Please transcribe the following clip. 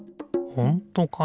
ほんとかな？